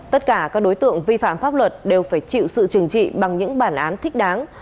tất cả các đối tượng vi phạm pháp luật đều phải chịu sự trừng trị bằng những bản án thích đáng